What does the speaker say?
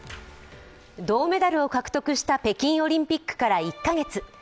銅メダルを獲得した北京オリンピックから１カ月。